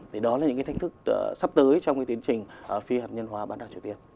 thì đó là những cái thách thức sắp tới trong cái tiến trình phi hạt nhân hóa bán đảo triều tiên